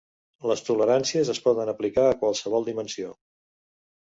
Les toleràncies es poden aplicar a qualsevol dimensió.